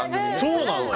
そうなのよ。